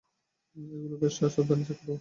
এগুলো বেশ সাবধানে চেক করো!